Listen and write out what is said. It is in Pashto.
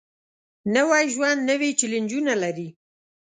نوی ژوند نوې چیلنجونه لري